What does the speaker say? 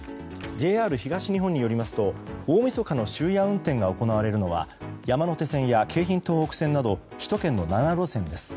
ＪＲ東日本によりますと大みそかの終夜運転が行われるのは山手線や京浜東北線など首都圏の７路線です。